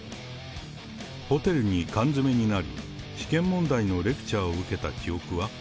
ホテルに缶詰めになり、試験問題のレクチャーを受けた記憶は？